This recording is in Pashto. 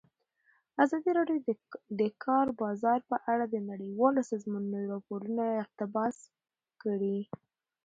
ازادي راډیو د د کار بازار په اړه د نړیوالو سازمانونو راپورونه اقتباس کړي.